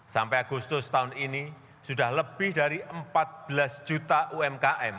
sampai agustus tahun ini sudah lebih dari empat belas juta umkm